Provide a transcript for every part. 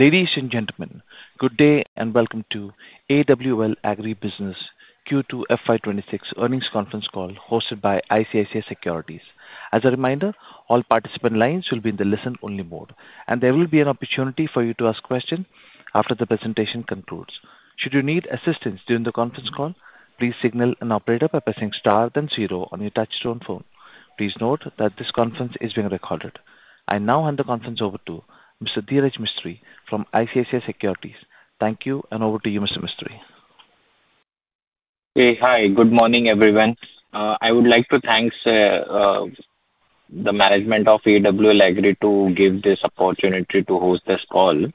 Ladies and gentlemen, good day and welcome to AWL Agri Business Q2 FY 2026 earnings conference call hosted by ICICI Securities. As a reminder, all participant lines will be in the listen-only mode, and there will be an opportunity for you to ask questions after the presentation concludes. Should you need assistance during the conference call, please signal an operator by pressing star then zero on your touchstone phone. Please note that this conference is being recorded. I now hand the conference over to Mr. Dhiraj Mistry from ICICI Securities. Thank you, and over to you, Mr. Mistry. Hey, hi. Good morning, everyone. I would like to thank the management of AWL Agri Business Ltd to give this opportunity to host this call.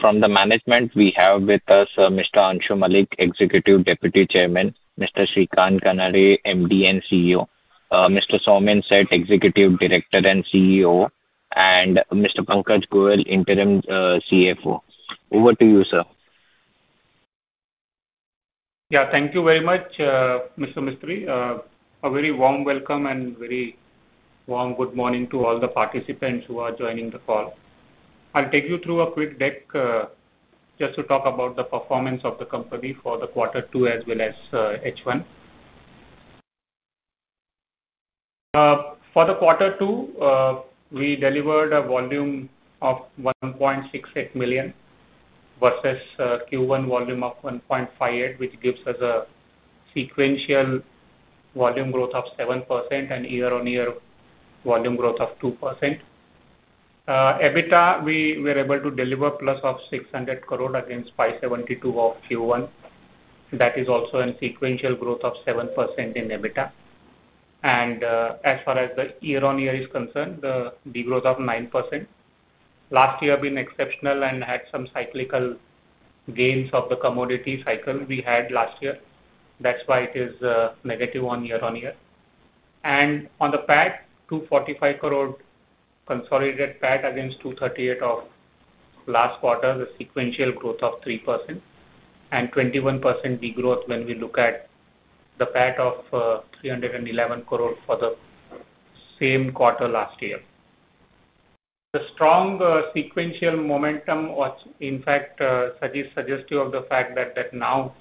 From the management, we have with us Mr. Angshu Mallick, Executive Deputy Chairman; Mr. Shrikant Kanhere, MD and CEO; Mr. Somin Seth, Executive Director and CEO; and Mr. Pankaj Goyal, Interim CFO. Over to you, sir. Yeah, thank you very much, Mr. Mistry. A very warm welcome and very warm good morning to all the participants who are joining the call. I'll take you through a quick deck, just to talk about the performance of the company for the quarter two as well as H1. For the quarter two, we delivered a volume of 1.68 million versus Q1 volume of 1.58, which gives us a sequential volume growth of 7% and year-on-year volume growth of 2%. EBITDA, we were able to deliver plus of 600 crore against 572 of Q1. That is also a sequential growth of 7% in EBITDA. As far as the year-on-year is concerned, the degrowth of 9%. Last year has been exceptional and had some cyclical gains of the commodity cycle we had last year. That's why it is negative on year-on-year. On the PAT, 245 crore consolidated PAT against 238 of last quarter, the sequential growth of 3% and 21% degrowth when we look at the PAT of 311 crore for the same quarter last year. The strong sequential momentum was, in fact, suggestive of the fact that now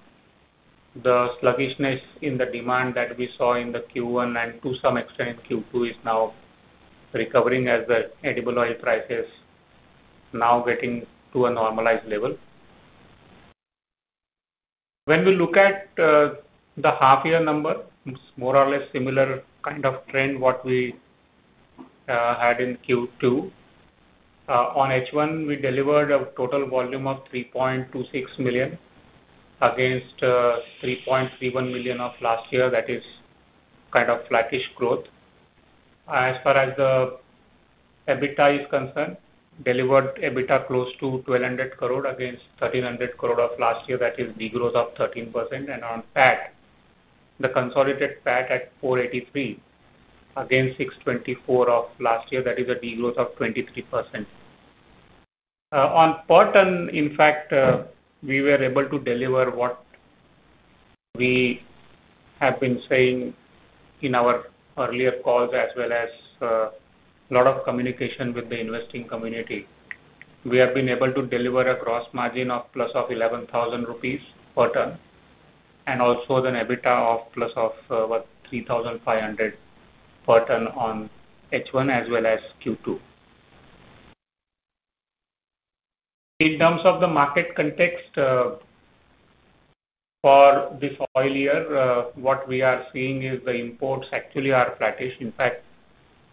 the sluggishness in the demand that we saw in the Q1 and to some extent in Q2 is now recovering as the edible oil prices now getting to a normalized level. When we look at the half-year number, it's more or less similar kind of trend to what we had in Q2. On H1, we delivered a total volume of 3.26 million against 3.31 million of last year. That is kind of flattish growth. As far as the EBITDA is concerned, delivered EBITDA close to 1,200 crore against 1,300 crore of last year. That is degrowth of 13%. On PAT, the consolidated PAT at 483 against 624 of last year. That is a degrowth of 23%. On per ton, in fact, we were able to deliver what we have been saying in our earlier calls as well as a lot of communication with the investing community. We have been able to deliver a gross margin of plus of 11,000 rupees per ton and also the EBITDA of plus of about 3,500 per ton on H1 as well as Q2. In terms of the market context, for this oil year, what we are seeing is the imports actually are flattish. In fact,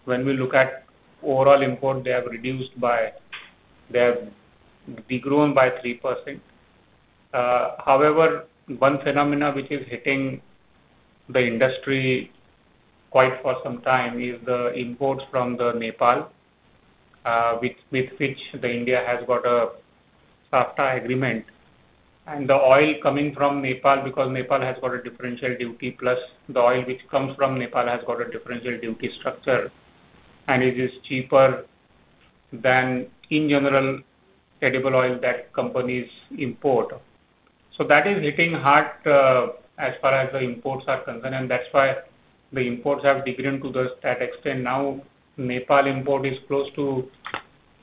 when we look at overall import, they have reduced by, they have degrown by 3%. However, one phenomenon which is hitting the industry quite for some time is the imports from Nepal, with which India has got a SAFTA agreement. The oil coming from Nepal, because Nepal has got a differential duty plus the oil which comes from Nepal has got a differential duty structure, and it is cheaper than in general edible oil that companies import. That is hitting hard, as far as the imports are concerned. That's why the imports have decreased to the extent now Nepal import is close to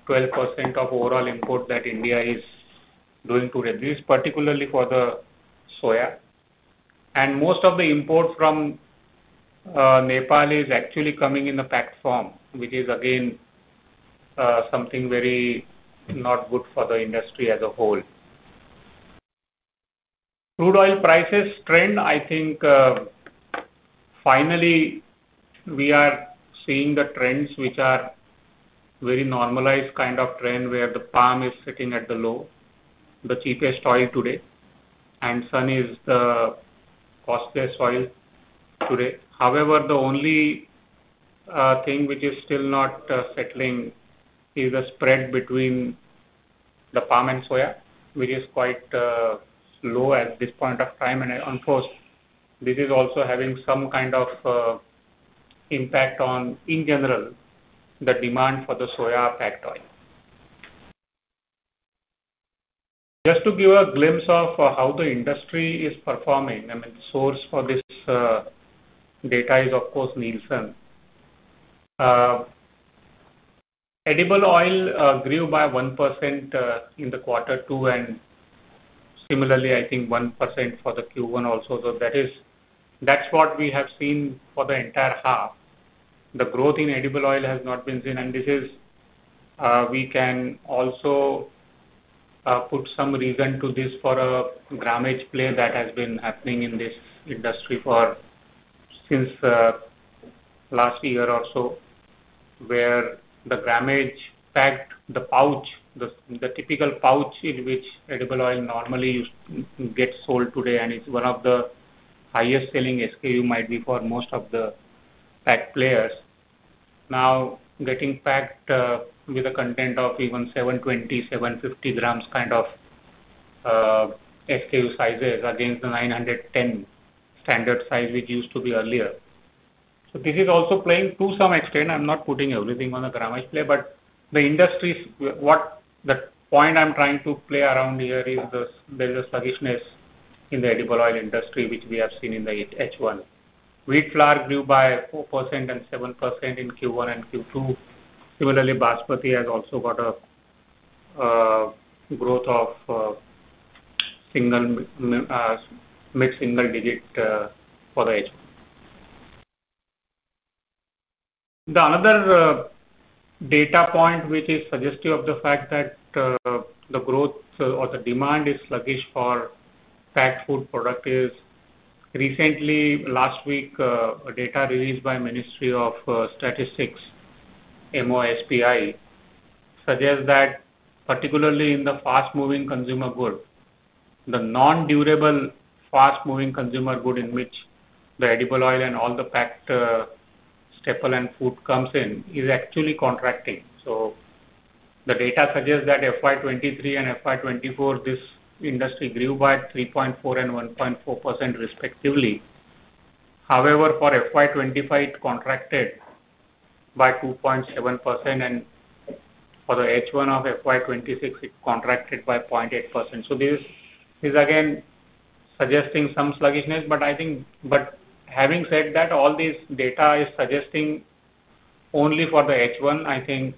12% of overall import that India is doing to reduce, particularly for the soy. Most of the import from Nepal is actually coming in the PAT form, which is again something very not good for the industry as a whole. Crude oil prices trend, I think, finally, we are seeing the trends which are very normalized kind of trend where the palm is sitting at the low, the cheapest oil today, and sun is the costliest oil today. However, the only thing which is still not settling is the spread between the palm and soy, which is quite low at this point of time. Of course, this is also having some kind of impact on, in general, the demand for the soy PAT oil. Just to give a glimpse of how the industry is performing, I mean, the source for this data is, of course, Nielsen. Edible oil grew by 1% in the quarter two. Similarly, I think, 1% for the Q1 also. That is, that's what we have seen for the entire half. The growth in edible oil has not been seen. We can also put some reason to this for a gramage play that has been happening in this industry for since last year or so, where the gramage packed, the pouch, the typical pouch in which edible oil normally used to get sold today, and it's one of the highest selling SKU might be for most of the PAT players, now getting packed with a content of even 720, 750 grams kind of SKU sizes against the 910 standard size which used to be earlier. This is also playing to some extent. I'm not putting everything on the gramage play, but the industry's, what the point I'm trying to play around here is, there's a sluggishness in the edible oil industry which we have seen in the H1. Wheat flour grew by 4% and 7% in Q1 and Q2. Similarly, Basmati has also got a growth of mid-single digit for the H1. Another data point which is suggestive of the fact that the growth or the demand is sluggish for PAT food product is recently, last week, data released by the Ministry of Statistics, MOSPI, suggests that particularly in the fast-moving consumer good, the non-durable fast-moving consumer good in which the edible oil and all the PAT, staple and food comes in, is actually contracting. The data suggests that FY 2023 and FY 2024, this industry grew by 3.4% and 1.4% respectively. However, for FY 2025, it contracted by 2.7%. For the H1 of FY 2026, it contracted by 0.8%. This is again suggesting some sluggishness. I think, having said that, all this data is suggesting only for the H1. I think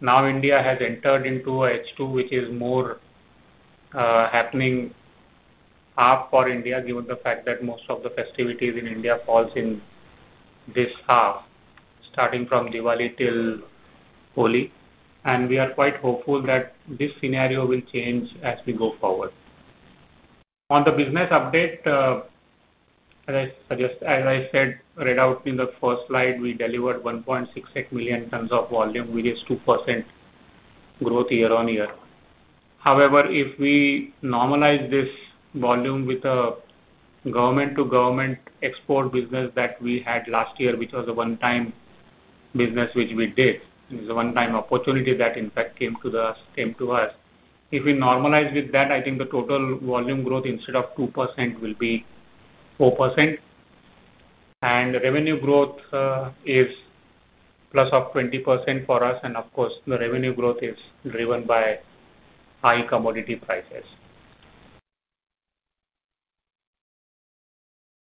now India has entered into H2, which is more happening. Half for India, given the fact that most of the festivities in India falls in this half, starting from Diwali till Holi. We are quite hopeful that this scenario will change as we go forward. On the business update, as I suggested, as I said, read out in the first slide, we delivered 1.68 million tons of volume, which is 2% growth year-on-year. However, if we normalize this volume with the government-to-government export business that we had last year, which was a one-time business which we did, it was a one-time opportunity that, in fact, came to us. If we normalize with that, I think the total volume growth instead of 2% will be 4%. Revenue growth is plus of 20% for us. Of course, the revenue growth is driven by high commodity prices.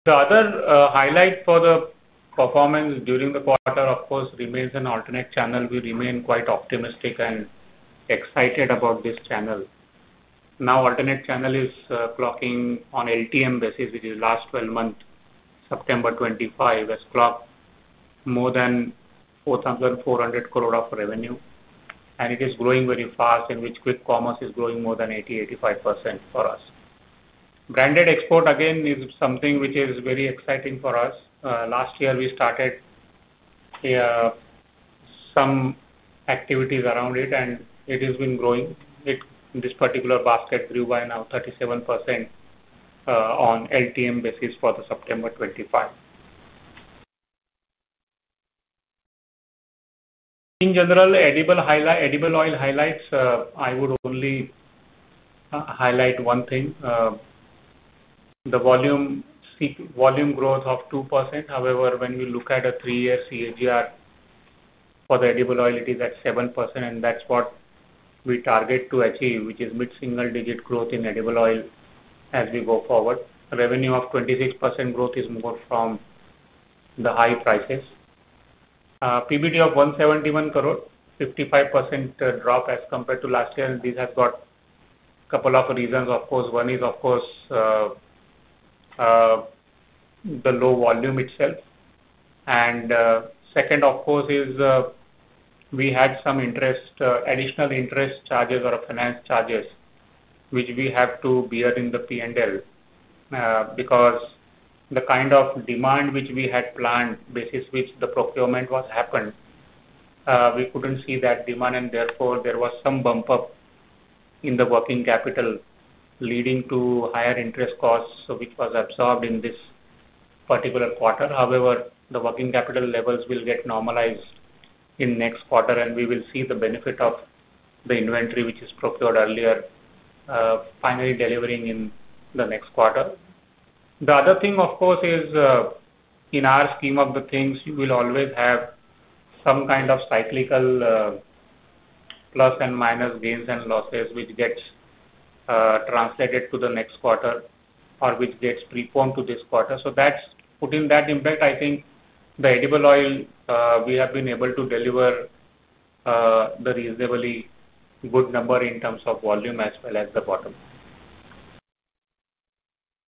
The other highlight for the performance during the quarter, of course, remains an alternate channel. We remain quite optimistic and excited about this channel. Now, alternate channel is clocking on LTM basis, which is last 12 months, September 2025, has clocked more than 4,400 crore of revenue. It is growing very fast, in which quick commerce is growing more than 80%-85% for us. Branded export, again, is something which is very exciting for us. Last year we started some activities around it, and it has been growing. It in this particular basket grew by now 37% on LTM basis for the September 2025. In general, edible oil highlights, I would only highlight one thing. The volume seek volume growth of 2%. However, when we look at a three-year CAGR for the edible oil, it is at 7%. That is what we target to achieve, which is mid-single digit growth in edible oil as we go forward. Revenue of 26% growth is more from the high prices. PBT of 171 crore, 55% drop as compared to last year. This has got a couple of reasons. One is, of course, the low volume itself. Second, of course, is, we had some interest, additional interest charges or finance charges, which we have to bear in the P&L because the kind of demand which we had planned basis which the procurement was happened, we could not see that demand. Therefore, there was some bump up in the working capital leading to higher interest costs, which was absorbed in this particular quarter. However, the working capital levels will get normalized in next quarter. We will see the benefit of the inventory which is procured earlier, finally delivering in the next quarter. The other thing, of course, is, in our scheme of the things, you will always have some kind of cyclical plus and minus gains and losses which gets translated to the next quarter or which gets preformed to this quarter. That is putting that impact. I think the edible oil, we have been able to deliver a reasonably good number in terms of volume as well as the bottom.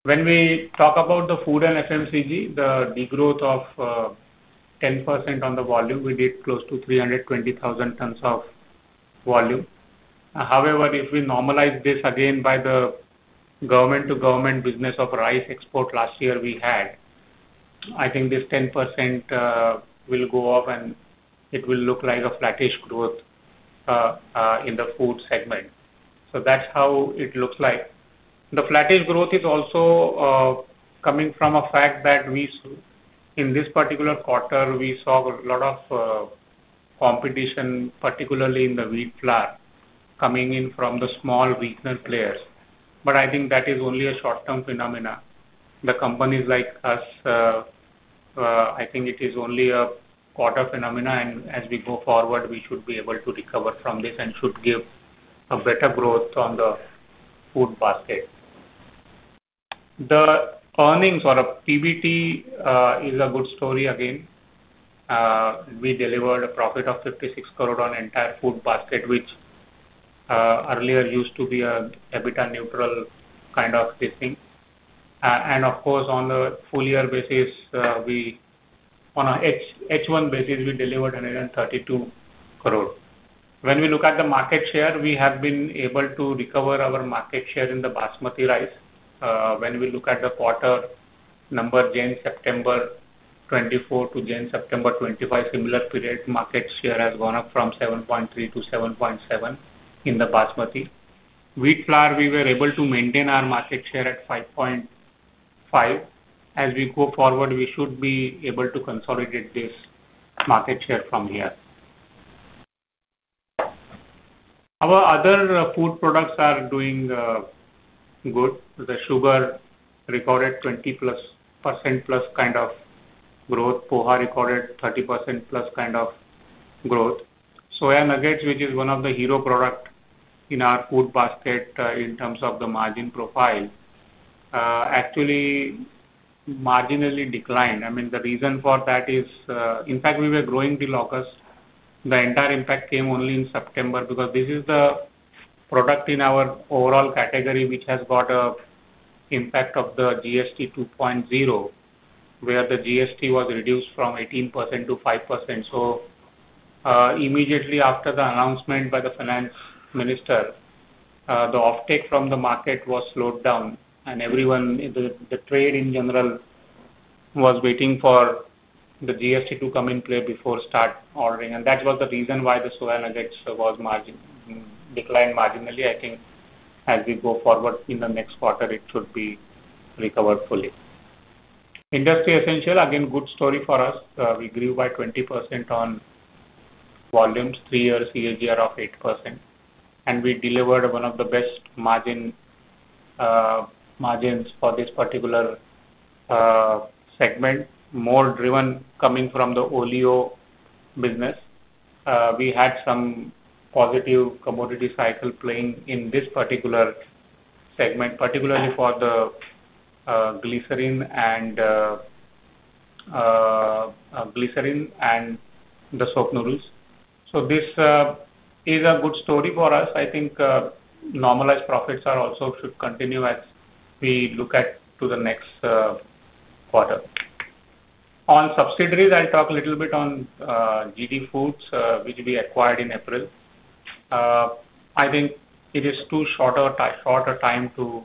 When we talk about the food and FMCG, the degrowth of 10% on the volume, we did close to 320,000 tons of volume. However, if we normalize this again by the government-to-government business of rice export last year we had, I think this 10% will go up and it will look like a flattish growth in the food segment. That is how it looks like. The flattish growth is also coming from a fact that we saw in this particular quarter, we saw a lot of competition, particularly in the wheat flour, coming in from the small regional players. I think that is only a short-term phenomenon. Companies like us, I think it is only a quarter phenomenon. As we go forward, we should be able to recover from this and should give a better growth on the food basket. The earnings or a PBT is a good story again. We delivered a profit of 56 crore on entire food basket, which earlier used to be a EBITDA neutral kind of this thing. Of course, on the full-year basis, we, on a H1 basis, we delivered 132 crore. When we look at the market share, we have been able to recover our market share in the Basmati Rice. When we look at the quarter number, January-September 2024 to January-September 2025, similar period, market share has gone up from 7.3 to 7.7 in the Basmati wheat flour. We were able to maintain our market share at 5.5. As we go forward, we should be able to consolidate this market share from here. Our other food products are doing good. The sugar recorded 20%+ kind of growth. Poha recorded 30%+ kind of growth. Soya nuggets, which is one of the hero products in our food basket in terms of the margin profile, actually marginally declined. I mean, the reason for that is, in fact, we were growing till August. The entire impact came only in September because this is the product in our overall category which has got an impact of the GST 2.0, where the GST was reduced from 18% to 5%. Immediately after the announcement by the finance minister, the offtake from the market was slowed down. The trade in general was waiting for the GST to come in play before start ordering. That was the reason why the soya nuggets was marginally declined. I think as we go forward in the next quarter, it should be recovered fully. Industry essential, again, good story for us. We grew by 20% on volumes, three-year CAGR of 8%. We delivered one of the best margins for this particular segment, more driven coming from the Oleo business. We had some positive commodity cycle playing in this particular segment, particularly for the. Glycerin and, glycerin and the soap noodles. This is a good story for us. I think normalized profits also should continue as we look at the next quarter. On subsidiaries, I'll talk a little bit on GD Foods, which we acquired in April. I think it is too short a time to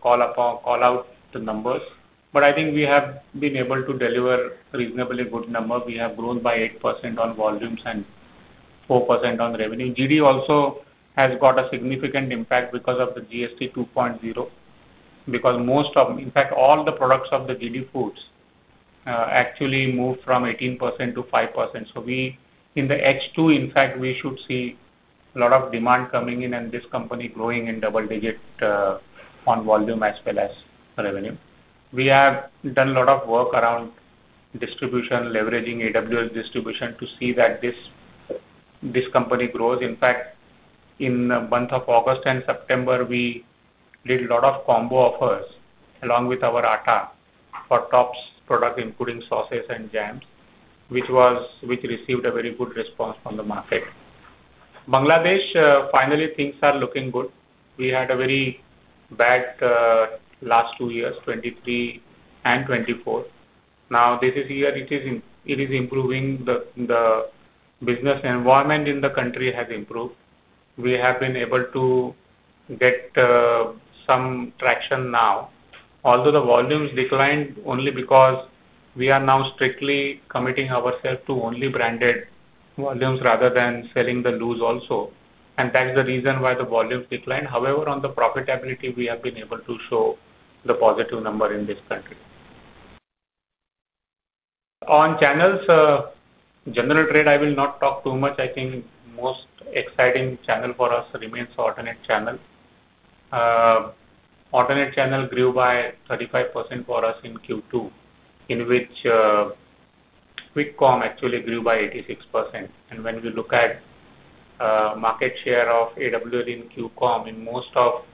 call out the numbers. But I think we have been able to deliver reasonably good numbers. We have grown by 8% on volumes and 4% on revenue. GD also has got a significant impact because of the GST 2.0. Because most of, in fact, all the products of GD Foods actually moved from 18% to 5%. In H2, in fact, we should see a lot of demand coming in and this company growing in double digits on volume as well as revenue. We have done a lot of work around distribution, leveraging AWL's distribution to see that this company grows. In the month of August and September, we did a lot of combo offers along with our atta for Tops products, including sauces and jams, which received a very good response from the market. Bangladesh, finally things are looking good. We had a very bad last two years, 2023 and 2024. Now this year, it is improving. The business environment in the country has improved. We have been able to get some traction now. Although the volumes declined only because we are now strictly committing ourselves to only branded volumes rather than selling the loose also. That is the reason why the volumes declined. However, on the profitability, we have been able to show a positive number in this country. On channels, general trade, I will not talk too much. I think the most exciting channel for us remains alternate channel. Alternate channel grew by 35% for us in Q2, in which quick commerce actually grew by 86%. When we look at market share of AWL in quick commerce, in most of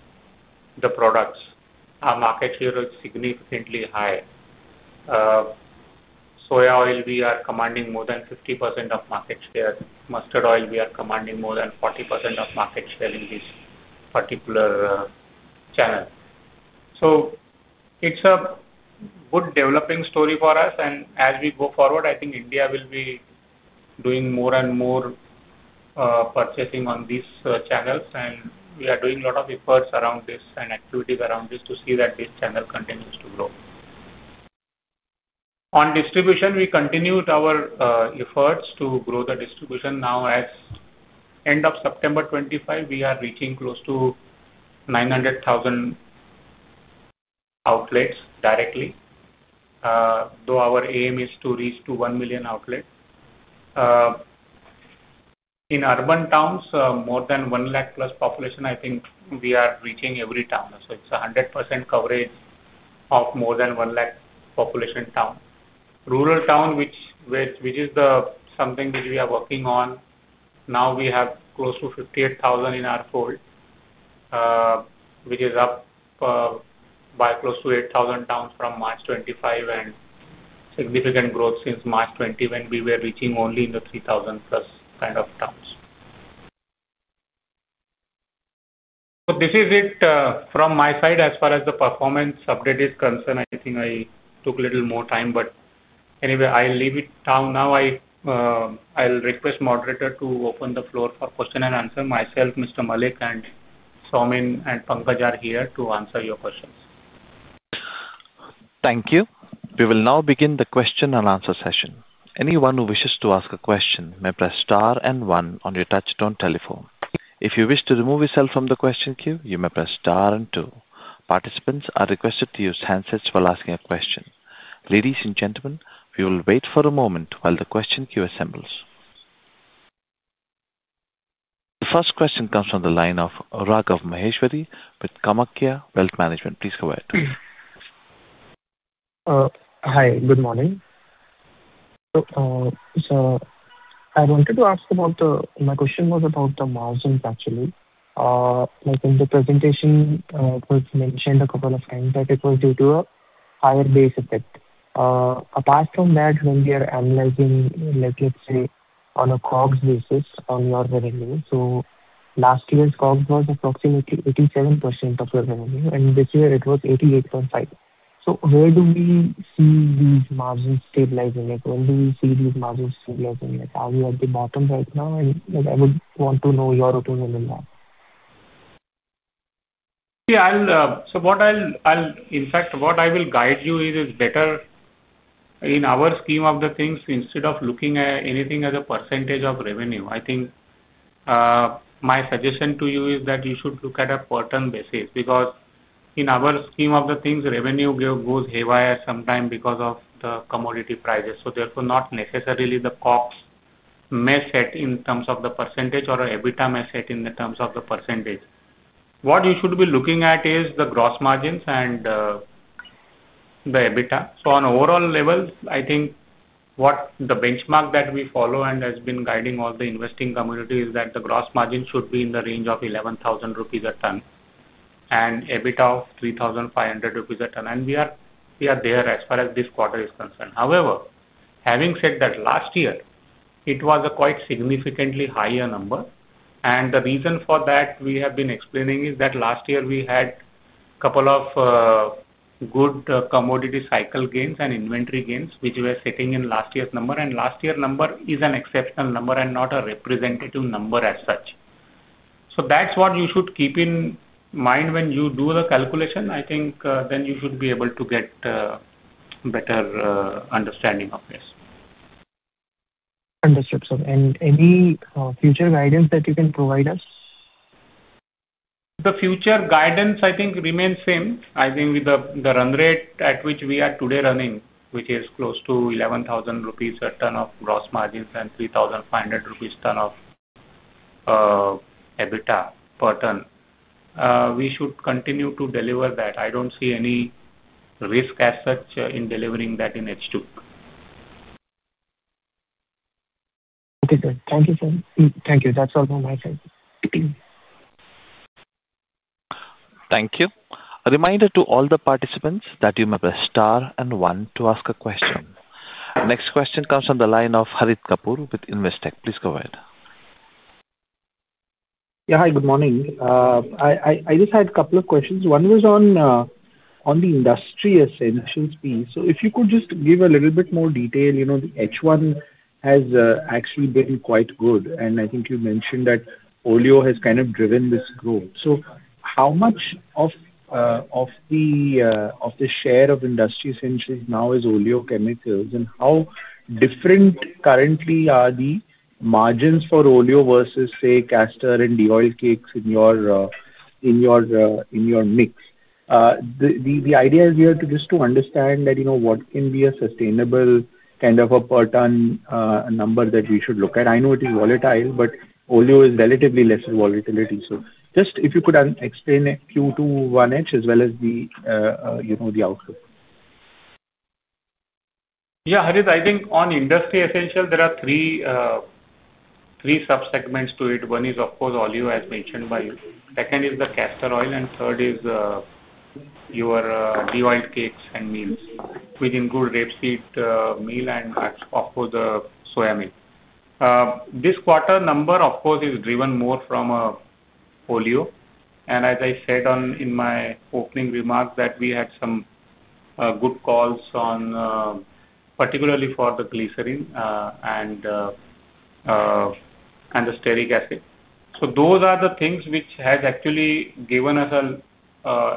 the products, our market share is significantly high. Soya oil, we are commanding more than 50% of market share. Mustard oil, we are commanding more than 40% of market share in this particular channel. It is a good developing story for us. As we go forward, I think India will be doing more and more purchasing on these channels. We are doing a lot of efforts around this and activities around this to see that this channel continues to grow. On distribution, we continued our efforts to grow the distribution. Now, as end of September 2025, we are reaching close to 900,000 outlets directly, though our aim is to reach 1 million outlets. In urban towns, more than 100,000+ population, I think we are reaching every town. It is a 100% coverage of more than 100,000 population town. Rural town, which is the something which we are working on. Now we have close to 58,000 in our fold, which is up by close to 8,000 towns from March 2025 and significant growth since March 2020 when we were reaching only in the 3,000+ kind of towns. This is it from my side. As far as the performance update is concerned, I think I took a little more time. Anyway, I'll leave it down now. I'll request moderator to open the floor for question and answer. Myself, Mr. Mallick, and Somin and Pankaj are here to answer your questions. Thank you. We will now begin the question-and-answer session. Anyone who wishes to ask a question may press star and one on your touchstone telephone. If you wish to remove yourself from the question queue, you may press star and two. Participants are requested to use handsets while asking a question. Ladies and gentlemen, we will wait for a moment while the question queue assembles. The first question comes from the line of Raghav Maheshwari with Titiksha Wealth Management. Please go ahead. Hi. Good morning. I wanted to ask about the, my question was about the margins, actually. Like in the presentation, was mentioned a couple of times that it was due to a higher base effect. Apart from that, when we are analyzing, like, let's say on a COGS basis on your revenue, last year's COGS was approximately 87% of your revenue, and this year it was 88.5%. Where do we see these margins stabilizing? When do we see these margins stabilizing? Are we at the bottom right now? I would want to know your opinion on that. Yeah, I'll, in fact, what I will guide you is better. In our scheme of the things, instead of looking at anything as a percentage of revenue, I think my suggestion to you is that you should look at a quarter basis because in our scheme of the things, revenue goes haywire sometime because of the commodity prices. Therefore, not necessarily the COGS may set in terms of the percentage or EBITDA may set in the terms of the percentage. What you should be looking at is the gross margins and the EBITDA. On overall levels, I think what the benchmark that we follow and has been guiding all the investing community is that the gross margin should be in the range of 11,000 rupees a ton and EBITDA of 3,500 rupees a ton. We are there as far as this quarter is concerned. However, having said that, last year it was a quite significantly higher number. The reason for that we have been explaining is that last year we had a couple of good commodity cycle gains and inventory gains, which we are sitting in last year's number. Last year's number is an exceptional number and not a representative number as such. That is what you should keep in mind when you do the calculation. I think you should be able to get a better understanding of this. Understood, sir. Any future guidance that you can provide us? The future guidance, I think, remains the same. I think with the run rate at which we are today running, which is close to 11,000 rupees a ton of gross margins and 3,500 rupees a ton of EBITDA per ton, we should continue to deliver that. I do not see any risk as such in delivering that in H2. Okay, sir. Thank you, sir. Thank you. That is all from my side. Thank you. A reminder to all the participants that you may press star and one to ask a question. Next question comes from the line of Harit Kapoor with Investec. Please go ahead. Yeah, hi. Good morning. I just had a couple of questions. One was on the industry essentials piece. If you could just give a little bit more detail, you know, the H1 has actually been quite good. I think you mentioned that Oleo has kind of driven this growth. How much of the share of industry essentials now is Oleo chemicals? How different currently are the margins for Oleo versus, say, caster and deoil cakes in your mix? The idea here is just to understand what can be a sustainable kind of a per ton number that we should look at. I know it is volatile, but Oleo is relatively lesser volatility. If you could explain it Q2, 1H as well as the outlook. Yeah, Harit, I think on industry essential, there are three subsegments to it. One is, of course, Oleo, as mentioned by you. Second is the caster oil. Third is your deoil cakes and meals within good rapeseed meal and, of course, the soya meal. This quarter number, of course, is driven more from Oleo. As I said in my opening remarks, we had some good calls on, particularly for the glycerin and the stearic acid. Those are the things which have actually given us an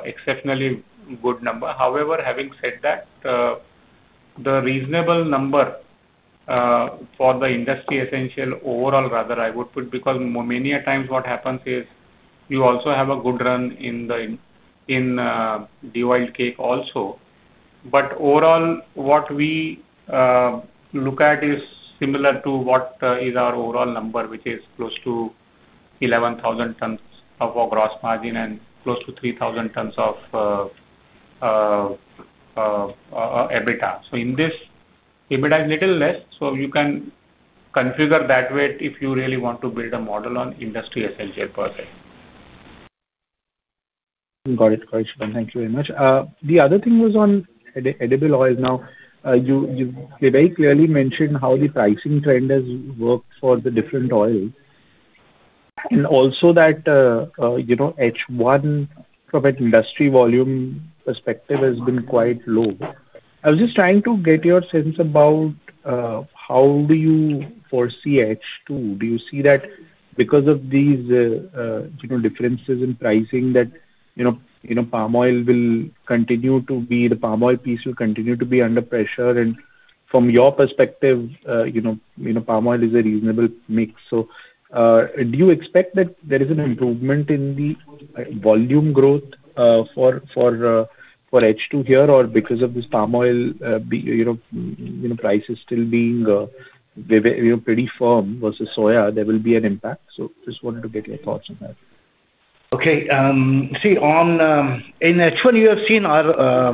exceptionally good number. However, having said that, the reasonable number for the industry essential overall, rather, I would put, because many times what happens is you also have a good run in deoil cake also. Overall, what we look at is similar to what is our overall number, which is close to 11,000 a ton of gross margin and close to 3,000 a ton of EBITDA. In this, EBITDA is a little less. You can configure that way if you really want to build a model on industry essential per se. Got it. Got it, sir. Thank you very much. The other thing was on edible oils. Now, you very clearly mentioned how the pricing trend has worked for the different oils. And also that, you know, H1 from an industry volume perspective has been quite low. I was just trying to get your sense about how do you foresee H2? Do you see that because of these, you know, differences in pricing that, you know, palm oil will continue to be, the palm oil piece will continue to be under pressure? And from your perspective, you know, palm oil is a reasonable mix. So, do you expect that there is an improvement in the volume growth for H2 here or because of this palm oil, you know, prices still being, you know, pretty firm versus soya, there will be an impact? Just wanted to get your thoughts on that. Okay. See, in H1, you have seen our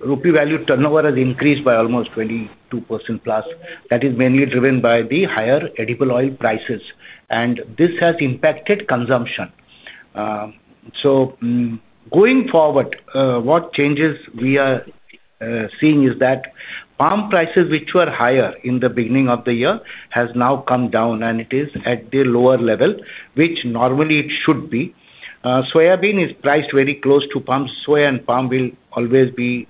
rupee value turnover has increased by almost 22% plus. That is mainly driven by the higher edible oil prices. And this has impacted consumption. Going forward, what changes we are seeing is that palm prices, which were higher in the beginning of the year, have now come down, and it is at the lower level, which normally it should be. Soya bean is priced very close to palm, soya and palm will always be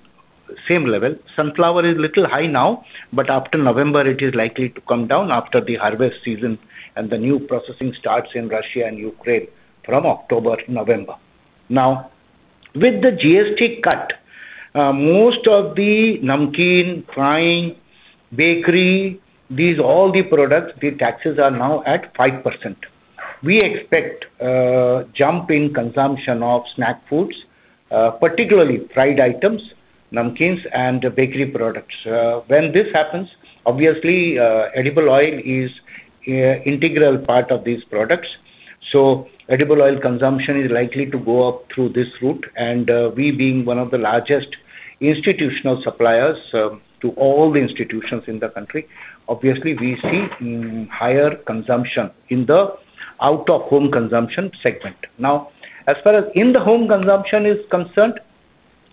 same level. Sunflower is a little high now, but after November, it is likely to come down after the harvest season and the new processing starts in Russia and Ukraine from October to November. Now, with the GST cut, most of the numkeen, frying, bakery, these, all the products, the taxes are now at 5%. We expect a jump in consumption of snack foods, particularly fried items, numkins, and bakery products. When this happens, obviously, edible oil is an integral part of these products. So edible oil consumption is likely to go up through this route. And, we being one of the largest institutional suppliers to all the institutions in the country, obviously we see higher consumption in the out-of-home consumption segment. Now, as far as in the home consumption is concerned,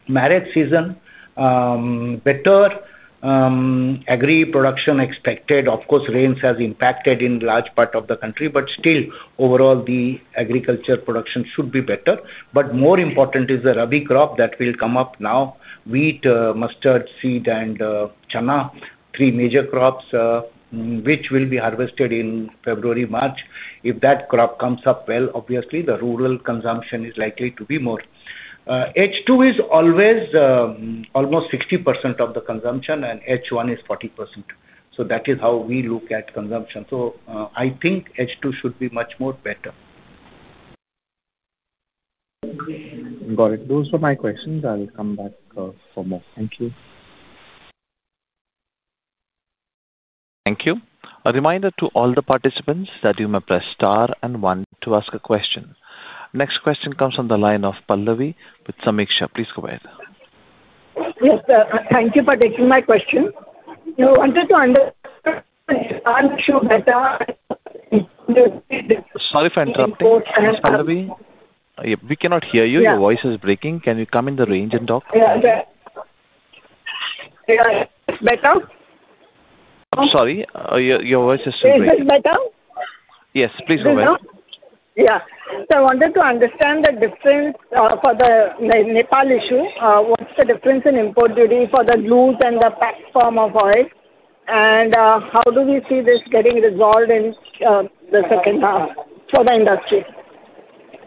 marriage season, better agri production expected, of course, rains have impacted in large part of the country, but still overall the agriculture production should be better. More important is the rubby crop that will come up now, wheat, mustard seed, and chana, three major crops, which will be harvested in February, March. If that crop comes up well, obviously the rural consumption is likely to be more. H2 is always almost 60% of the consumption and H1 is 40%. That is how we look at consumption. I think H2 should be much more better. Got it. Those were my questions. I'll come back for more. Thank you. Thank you. A reminder to all the participants that you may press star and one to ask a question. Next question comes from the line of Pallavi with Sameeksha. Please go ahead. Yes, sir. Thank you for taking my question. I wanted to understand. I'm sure better. Sorry for interrupting. Pallavi, we cannot hear you. Your voice is breaking. Can you come in the range and talk? Yeah. Is it better? I'm sorry. Your voice is still breaking. Is it better? Yes, please go ahead. Yeah. So I wanted to understand the difference, for the Nepal issue. What's the difference in import duty for the loose and the packed form of oil? And, how do we see this getting resolved in, the second half for the industry?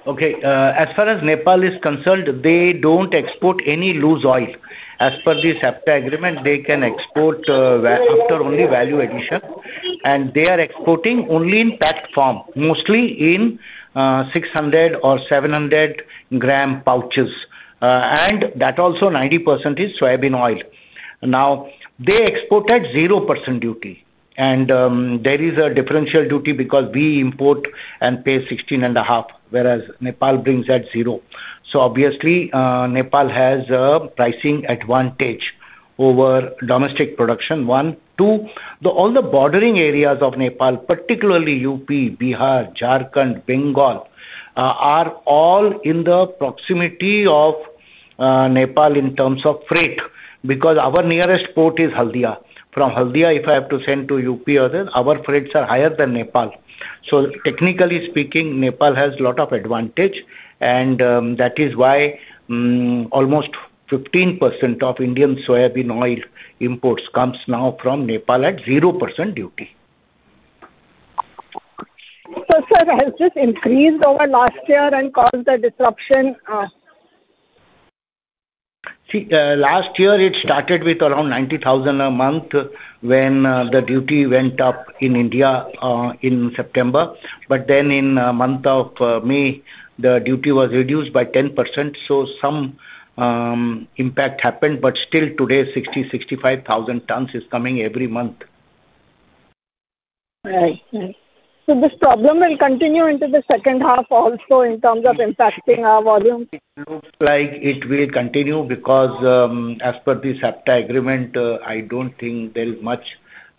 Okay. As far as Nepal is concerned, they do not export any loose oil. As per the SAFTA agreement, they can export, after only value addition. And they are exporting only in packed form, mostly in, 600 or 700 gram pouches. And that also 90% is soya bean oil. Now, they export at 0% duty. And, there is a differential duty because we import and pay 16.5, whereas Nepal brings at zero. So obviously, Nepal has a pricing advantage over domestic production. One, two, all the bordering areas of Nepal, particularly UP, Bihar, Jharkhand, Bengal, are all in the proximity of Nepal in terms of freight because our nearest port is Haldia. From Haldia, if I have to send to UP or there, our freights are higher than Nepal. Technically speaking, Nepal has a lot of advantage. That is why, almost 15% of Indian soya bean oil imports comes now from Nepal at 0% duty. So, sir, has this increased over last year and caused the disruption? See, last year it started with around 90,000 a month when the duty went up in India, in September. But then in the month of May, the duty was reduced by 10%. Some impact happened. But still today, 60,000-65,000 tons is coming every month. Right, right. This problem will continue into the second half also in terms of impacting our volume? It looks like it will continue because, as per the SAFTA agreement, I do not think there is much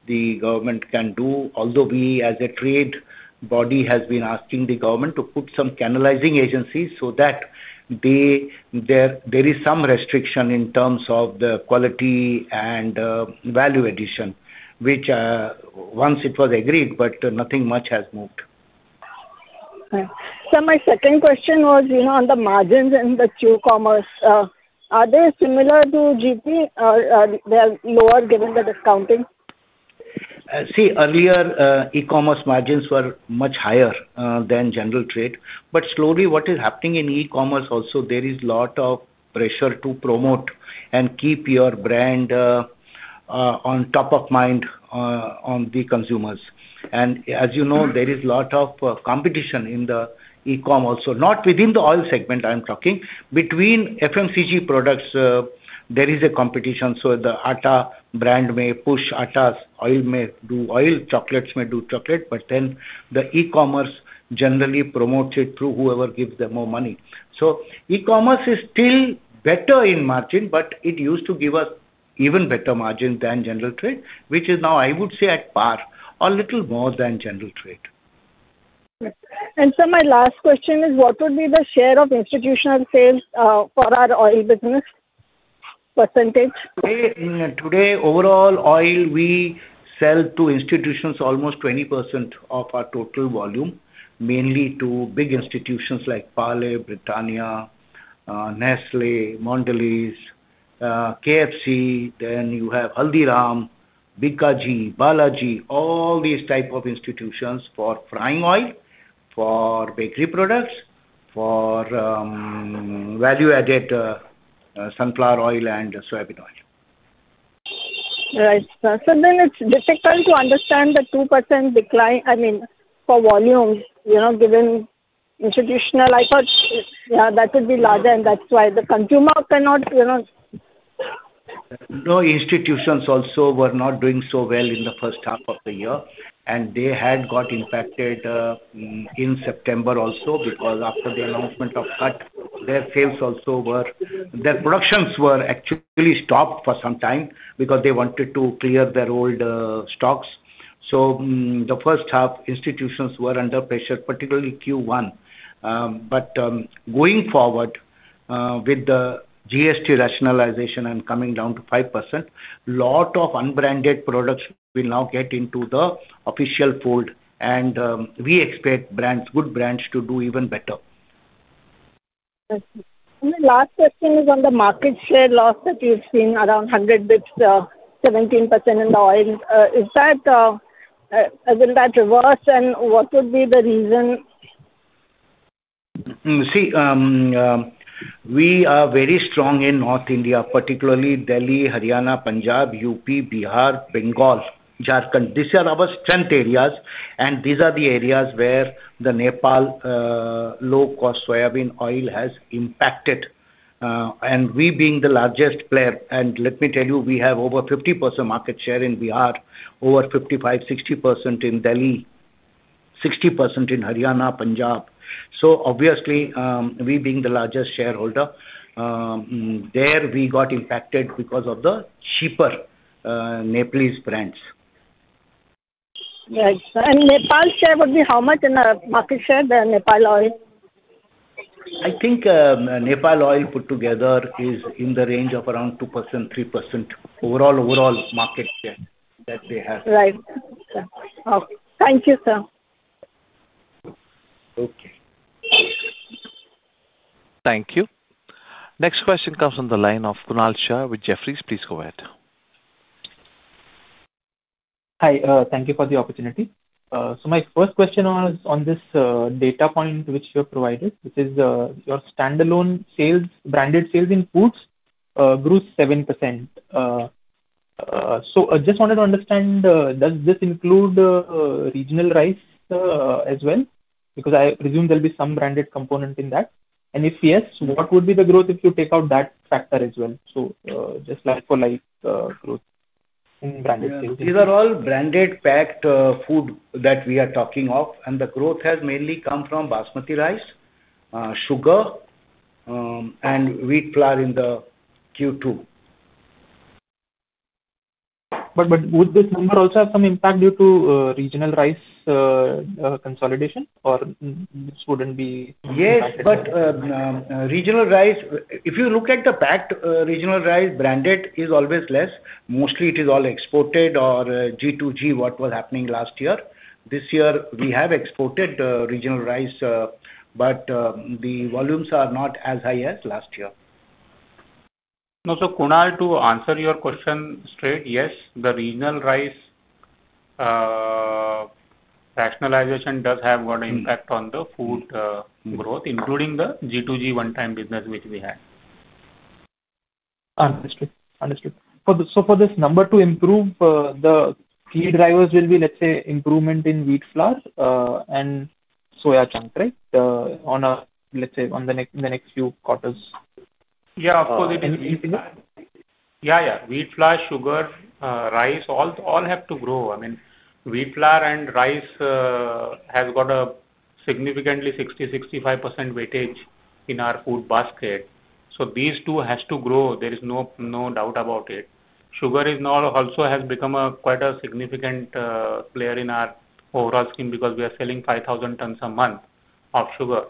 the government can do. Although we, as a trade body, have been asking the government to put some canalizing agencies so that there is some restriction in terms of the quality and value addition, which, once it was agreed, but nothing much has moved. Okay. My second question was, you know, on the margins in the Q commerce, are they similar to GP or are they lower given the discounting? See, earlier, e-commerce margins were much higher than general trade. Slowly what is happening in e-commerce also, there is a lot of pressure to promote and keep your brand on top of mind, on the consumers. As you know, there is a lot of competition in the e-commerce also, not within the oil segment I am talking. Between FMCG products, there is a competition. The ATA brand may push ATA's oil, may do oil, chocolates may do chocolate. E-commerce generally promotes it through whoever gives them more money. E-commerce is still better in margin, but it used to give us even better margin than general trade, which is now, I would say, at par or a little more than general trade. My last question is, what would be the share of institutional sales for our oil business? Percentage? Today, overall oil, we sell to institutions almost 20% of our total volume, mainly to big institutions like Parle, Britannia, Nestlé, Mondelez, KFC, then you have Haldiram, Bikaji, Balaji, all these types of institutions for frying oil, for bakery products, for value-added, sunflower oil and soya bean oil. Right. It is difficult to understand the 2% decline, I mean, for volume, you know, given institutional, I thought, yeah, that would be larger, and that is why the consumer cannot, you know. No, institutions also were not doing so well in the first half of the year. They had got impacted in September also because after the announcement of cut, their sales also were, their productions were actually stopped for some time because they wanted to clear their old stocks. The first half, institutions were under pressure, particularly Q1. Going forward, with the GST rationalization and coming down to 5%, a lot of unbranded products will now get into the official fold. We expect brands, good brands, to do even better. Okay. The last question is on the market share loss that you have seen around 100 basis points, 17% in the oil. Is that, is not that reverse? What would be the reason? See, we are very strong in North India, particularly Delhi, Haryana, Punjab, UP, Bihar, Bengal, Jharkhand. These are our strength areas. These are the areas where the Nepal, low-cost soya bean oil has impacted, and we being the largest player. Let me tell you, we have over 50% market share in Bihar, over 55%-60% in Delhi, 60% in Haryana, Punjab. Obviously, we being the largest shareholder, there we got impacted because of the cheaper Nepalese brands. Right. Nepal share would be how much in the market share, the Nepal oil? I think Nepal oil put together is in the range of around 2%-3% overall, overall market share that they have. Right. Okay. Thank you, sir. Okay. Thank you. Next question comes on the line of Kunal Shah with Jefferies. Please go ahead. Hi, thank you for the opportunity. My first question was on this data point which you have provided, which is, your standalone sales, branded sales in foods, grew 7%. I just wanted to understand, does this include regional rice as well? Because I presume there will be some branded component in that. If yes, what would be the growth if you take out that factor as well? Just like for like, growth in branded sales. These are all branded packed food that we are talking of. The growth has mainly come from basmati rice, sugar, and wheat flour in Q2. Would this number also have some impact due to regional rice consolidation, or this would not be impacted? Yes, but regional rice, if you look at the packed regional rice, branded is always less. Mostly it is all exported or G2G, what was happening last year. This year we have exported regional rice, but the volumes are not as high as last year. No, Kunal, to answer your question straight, yes, the regional rice rationalization does have an impact on the food growth, including the G2G one-time business which we had. Understood. For this number to improve, the key drivers will be, let's say, improvement in wheat flour and soya chunk, right, in the next few quarters. Yeah, of course it is. Yeah. Wheat flour, sugar, rice, all have to grow. I mean, wheat flour and rice have got a significantly 60%-65% weightage in our food basket. These two have to grow. There is no doubt about it. Sugar has now also become quite a significant player in our overall scheme because we are selling 5,000 tons a month of sugar.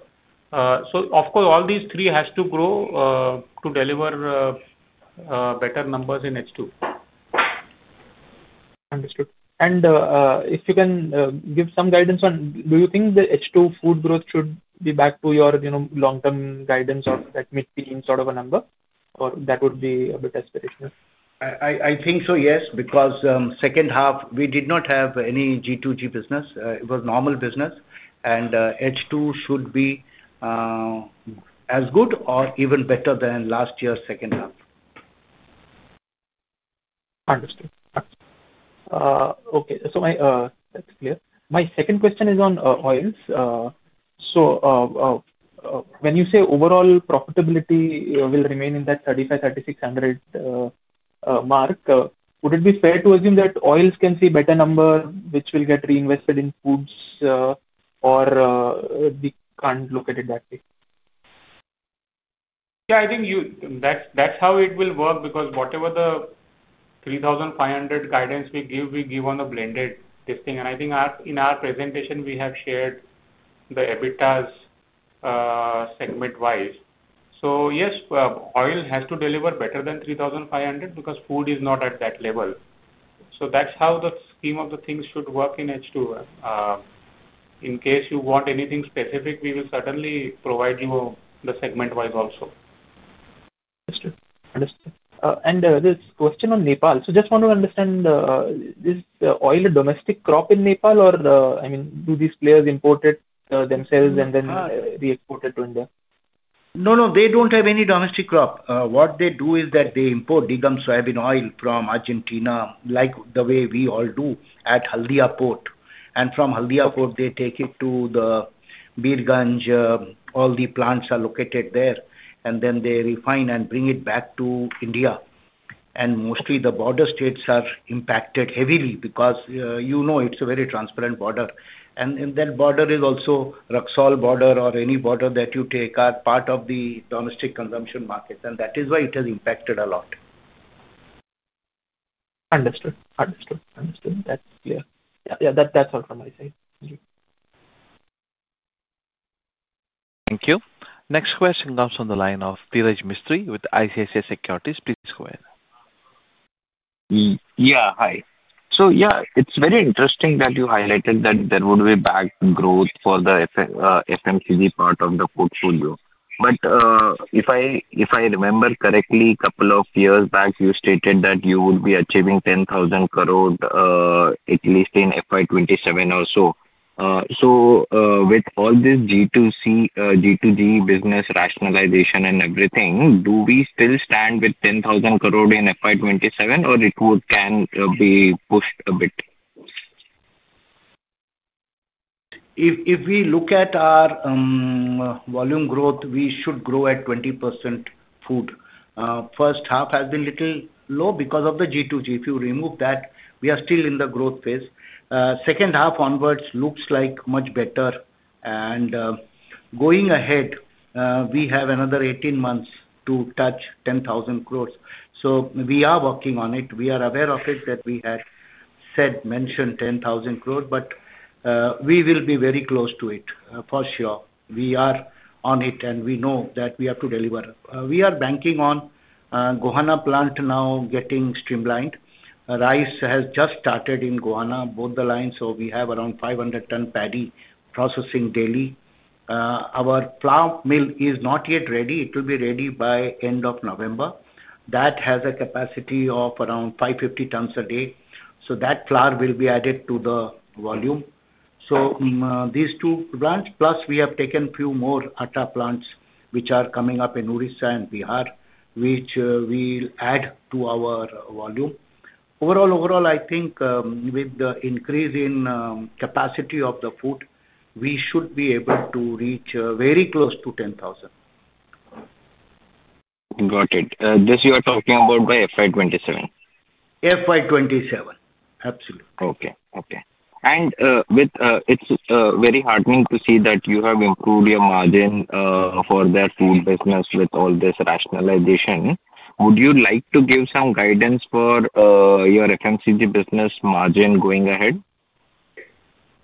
Of course, all these three have to grow to deliver better numbers in H2. Understood. If you can give some guidance on, do you think the H2 food growth should be back to your long-term guidance of that mid-teens sort of a number, or that would be a bit aspirational? I think so, yes, because second half, we did not have any G2G business. It was normal business. H2 should be as good or even better than last year's second half. Understood. That is clear. My second question is on oils. When you say overall profitability will remain in that 3,500-3,600 mark, would it be fair to assume that oils can see better numbers which will get reinvested in foods, or we cannot look at it that way? Yeah, I think that is how it will work because whatever the 3,500 guidance we give, we give on the blended testing. I think in our presentation, we have shared the EBITDAs segment-wise. Yes, oil has to deliver better than 3,500 because food is not at that level. That is how the scheme of things should work in H2. In case you want anything specific, we will certainly provide you the segment-wise also. Understood. This question on Nepal. I just want to understand, is the oil a domestic crop in Nepal or do these players import it themselves and then re-export it to India? No, they do not have any domestic crop. What they do is that they import degummed soya bean oil from Argentina, like the way we all do at Haldia port. From Haldia port, they take it to Birgunj, all the plants are located there. Then they refine and bring it back to India. Mostly the border states are impacted heavily because, you know, it's a very transparent border. The border is also Raxaul border or any border that you take are part of the domestic consumption market. That is why it has impacted a lot. Understood. Understood. Understood. That's clear. Yeah, yeah, that's all from my side. Thank you. Next question comes on the line of Dhiraj Mistry with ICICI Securities. Please go ahead. Yeah, hi. Yeah, it's very interesting that you highlighted that there would be back growth for the FMCG part of the portfolio. If I remember correctly, a couple of years back, you stated that you would be achieving 10,000 crore, at least in FY 2027 or so. With all this G2C, G2G business rationalization and everything, do we still stand with 10,000 crore in FY 2027 or can it be pushed a bit? If we look at our volume growth, we should grow at 20% food. First half has been a little low because of the G2G. If you remove that, we are still in the growth phase. Second half onwards looks like much better. Going ahead, we have another 18 months to touch 10,000 crore. We are working on it. We are aware of it that we had said, mentioned 10,000 crore, but we will be very close to it, for sure. We are on it and we know that we have to deliver. We are banking on Gohana plant now getting streamlined. Rice has just started in Gohana, both the lines. We have around 500 ton paddy processing daily. Our flour mill is not yet ready. It will be ready by end of November. That has a capacity of around 550 tons a day. That flour will be added to the volume. These two plants, plus we have taken a few more atta plants which are coming up in Orissa and Bihar, which will add to our volume. Overall, I think, with the increase in capacity of the food, we should be able to reach very close to 10,000. Got it. This you are talking about by FY 2027? FY 2027. Absolutely. Okay. And it's very heartening to see that you have improved your margin for that food business with all this rationalization. Would you like to give some guidance for your FMCG business margin going ahead?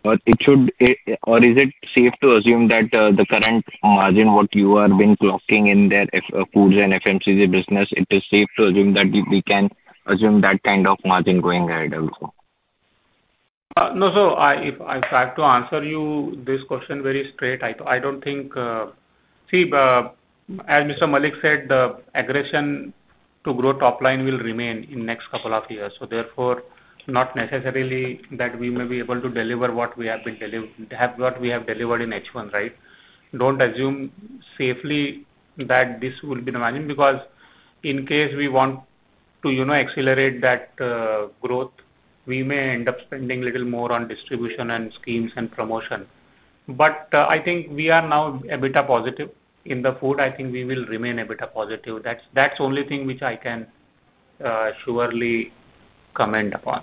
Or is it safe to assume that the current margin what you have been clocking in there, if foods and FMCG business, it is safe to assume that we can assume that kind of margin going ahead also? No. If I have to answer you this question very straight, I do not think, see, as Mr. Malik said, the aggression to grow top line will remain in the next couple of years. Therefore, not necessarily that we may be able to deliver what we have delivered in H1, right? Do not assume safely that this will be the margin because in case we want to, you know, accelerate that growth, we may end up spending a little more on distribution and schemes and promotion. I think we are now a bit positive in the food. I think we will remain a bit positive. That is the only thing which I can surely comment upon.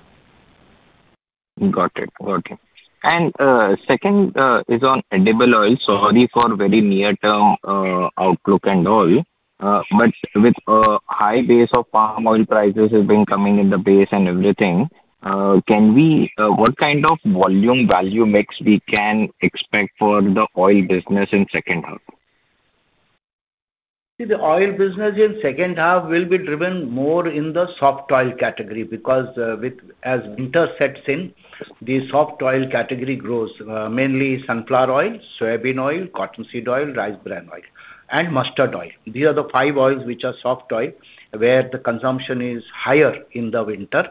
Got it. Got it. Second, on edible oil. Sorry for very near-term outlook and all, but with a high base of palm oil prices has been coming in the base and everything, can we, what kind of volume value mix can we expect for the oil business in second half? See, the oil business in second half will be driven more in the soft oil category because, as winter sets in, the soft oil category grows, mainly sunflower oil, soya bean oil, cottonseed oil, rice bran oil, and mustard oil. These are the five oils which are soft oil where the consumption is higher in the winter.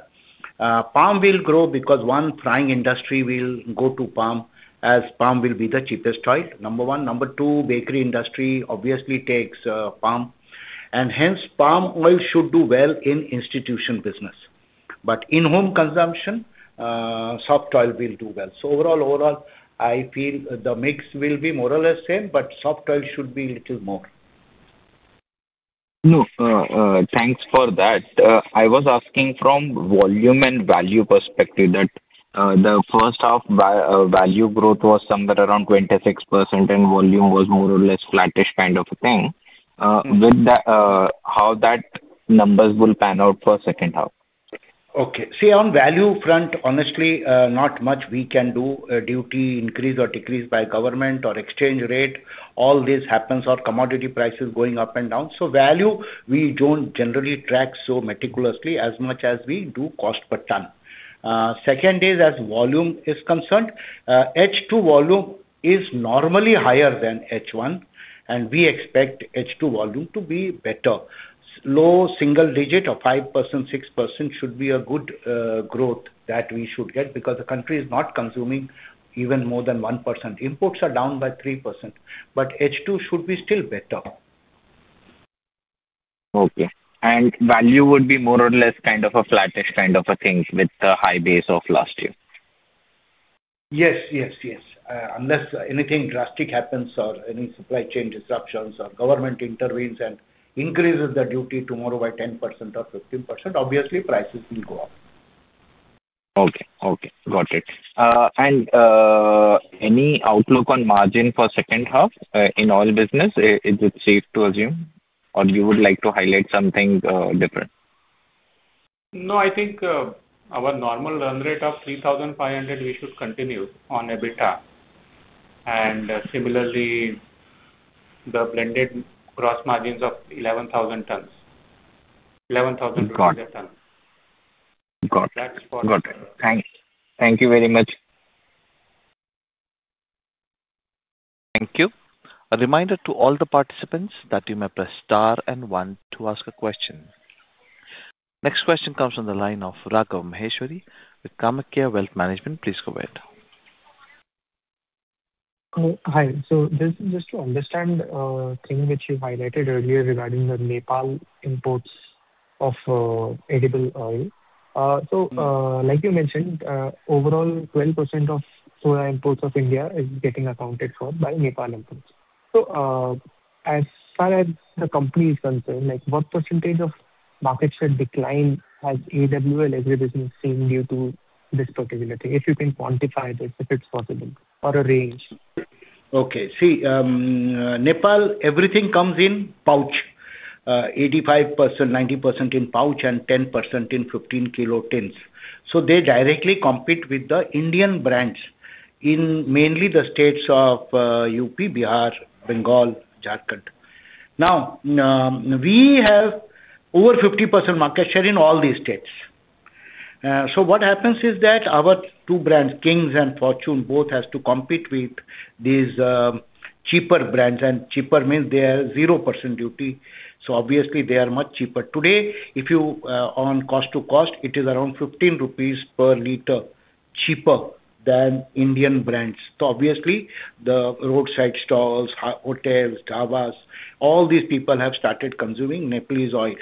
Palm will grow because, one, frying industry will go to palm as palm will be the cheapest oil, number one. Number two, bakery industry obviously takes palm. Hence, palm oil should do well in institution business. In-home consumption, soft oil will do well. Overall, I feel the mix will be more or less same, but soft oil should be a little more. No, thanks for that. I was asking from volume and value perspective that the first half value growth was somewhere around 26% and volume was more or less flattish kind of a thing. With that, how will those numbers pan out for second half? Okay. See, on value front, honestly, not much we can do, duty increase or decrease by government or exchange rate. All this happens or commodity prices going up and down. Value we do not generally track so meticulously as much as we do cost per ton. Second is as volume is concerned, H2 volume is normally higher than H1. We expect H2 volume to be better. Low single digit of 5%-6% should be a good growth that we should get because the country is not consuming even more than 1%. Imports are down by 3%. H2 should be still better. Okay. Value would be more or less kind of a flattish kind of a thing with the high base of last year? Yes, yes, yes. Unless anything drastic happens or any supply chain disruptions or government intervenes and increases the duty tomorrow by 10%-15%, obviously prices will go up. Okay. Got it. And, any outlook on margin for second half, in oil business? Is it safe to assume? Or you would like to highlight something, different? No, I think, our normal earn rate of 3,500 we should continue on EBITDA. And similarly, the blended gross margins of 11,000 tons. 11,000 rupees a ton. Got it. Got it. That is for. Got it. Thanks. Thank you very much. Thank you. A reminder to all the participants that you may press star and one to ask a question. Next question comes from the line of Raghav Maheshwari with Kamakaya Wealth Management. Please go ahead. Hi, hi. So this is just to understand, thing which you highlighted earlier regarding the Nepal imports of, edible oil. So, like you mentioned, overall 12% of soya imports of India is getting accounted for by Nepal imports. So, as far as the company is concerned, like what percentage of market share decline has AWL Agri Business seen due to this particular thing? If you can quantify this, if it is possible, or arrange. Okay. See, Nepal, everything comes in pouch, 85%-90% in pouch, and 10% in 15 kg tins. So they directly compete with the Indian brands in mainly the states of, UP, Bihar, Bengal, Jharkhand. Now, we have over 50% market share in all these states. So what happens is that our two brands, Kings and Fortune, both have to compete with these, cheaper brands. And cheaper means they are 0% duty. So obviously they are much cheaper. Today, if you, on cost to cost, it is around 15 rupees per liter cheaper than Indian brands. So obviously the roadside stalls, hotels, javas, all these people have started consuming Nepalese oil.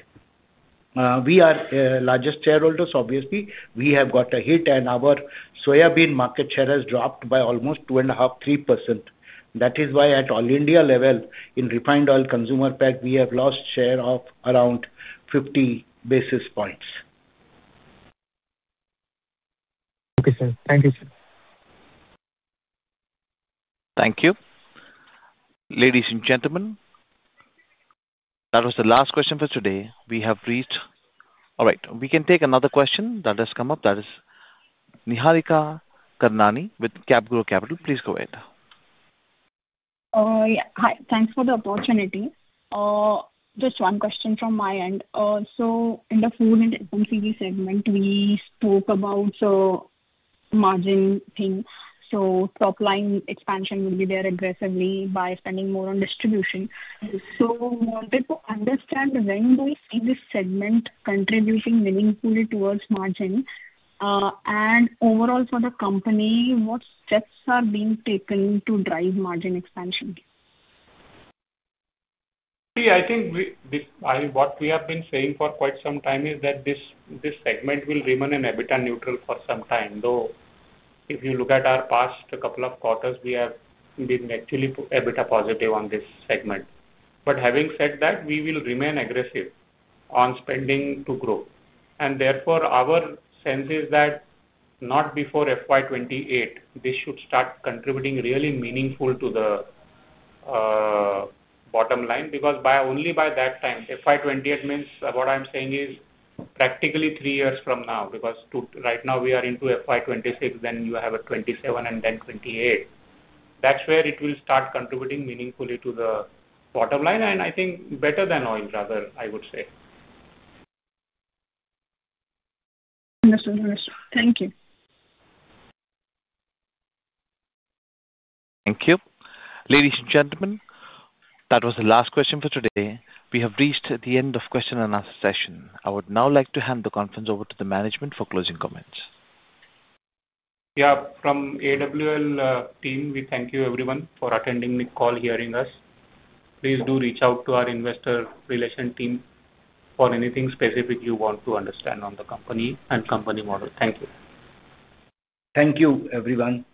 We are, largest shareholders, obviously. We have got a hit. And our soya bean market share has dropped by almost 2.5%-3%. That is why at all India level in refined oil consumer pack, we have lost share of around 50 basis points. Okay, sir. Thank you, sir. Thank you. Ladies and gentlemen. That was the last question for today. We have reached. All right. We can take another question that has come up. That is Niharika Karnani with CapGrow Capital. Please go ahead. Yeah. Hi. Thanks for the opportunity. Just one question from my end. So in the food and FMCG segment, we spoke about the margin thing. So top line expansion will be there aggressively by spending more on distribution. So wanted to understand when do we see this segment contributing meaningfully towards margin? And overall for the company, what steps are being taken to drive margin expansion? See, I think we, we, I what we have been saying for quite some time is that this, this segment will remain in EBITDA neutral for some time. Though if you look at our past couple of quarters, we have been actually EBITDA positive on this segment. But having said that, we will remain aggressive on spending to grow. Therefore, our sense is that not before FY 2028, this should start contributing really meaningful to the bottom line because only by that time, FY 2028 means what I'm saying is practically three years from now because right now we are into FY 2026, then you have a 2027 and then 2028. That is where it will start contributing meaningfully to the bottom line. I think better than oil rather, I would say. Understood, understood. Thank you. Thank you. Ladies and gentlemen, that was the last question for today. We have reached the end of question-and-answer session. I would now like to hand the conference over to the management for closing comments. Yeah. From AWL team, we thank you everyone for attending the call, hearing us. Please do reach out to our investor relation team for anything specific you want to understand on the company and company model. Thank you. Thank you, everyone,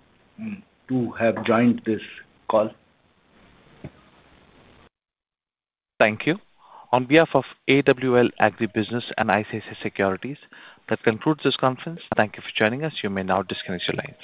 to have joined this call. Thank you. On behalf of AWL Agri Business and ICICI Securities, that concludes this conference. Thank you for joining us. You may now disconnect your lines.